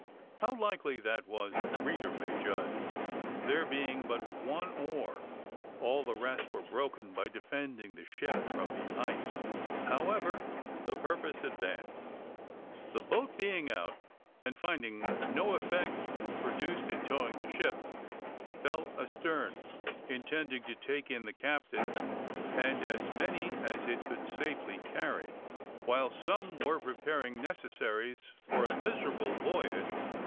How likely that was the reader may judge, there being but one oar, all the rest were broken by defending the ship from the ice. However, the purpose advanced. The boat being out, and finding no effect produced in towing the ship, fell a stern, intending to take in the captain and as many as it could safely carry, while some were preparing necessaries for a miserable voyage.